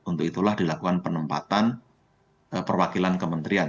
untuk itulah dilakukan penempatan perwakilan kementerian